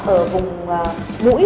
ở vùng mũi